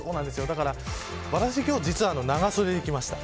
だから私は実は今日、長袖で来ました。